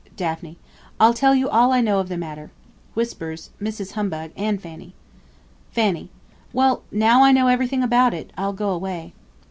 Daphne. I'll tell you all I know of the matter. (Whispers MRS. HUMBUG and FANNY.) Fanny. Well, now I know everything about it, I'll go away.